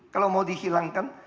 kalau mau dihilangkan